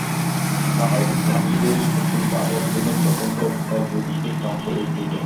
পাল-জাহাজের এই সকল বাধার জন্য তখনকার জল-যুদ্ধ সঙ্কটের ছিল।